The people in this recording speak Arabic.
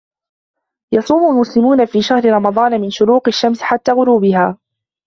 يصوم المسلمون في شهر رمضان من شروق الشمس حتى غروبها.